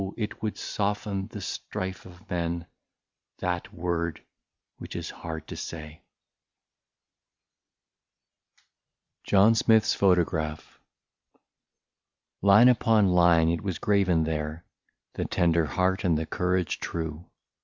it would soften the strifes of men, That word, which is hard to say ! 24 JOHN SMITH'S PHOTOGRAPH. Line upon line, it was graven there, — The tender heart, and the courage true.